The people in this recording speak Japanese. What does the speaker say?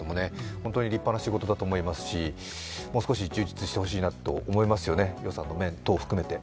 本当に立派なお仕事だと思いますしもう少し充実してほしいなと思いますよね、予算の面等含めて。